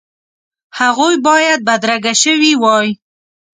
هغوی باید بدرګه شوي وای.